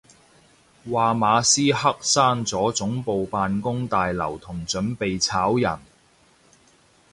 話馬斯克閂咗總部辦公大樓同準備炒人